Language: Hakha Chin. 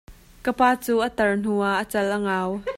Ka pa cu a tar hnuah a cal a ngau.